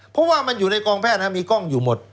เพราะว่ามันอยู่ในกองแพทย์มีกล้องอยู่หมด